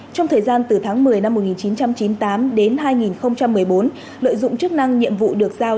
trong thời gian từ tháng một mươi năm một nghìn chín trăm chín mươi tám đến hai nghìn một mươi bốn lợi dụng chức năng nhiệm vụ được giao